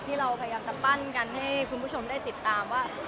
ที่เราพยายามจะปั้นกันให้คุณผู้ชมได้ติดตามว่า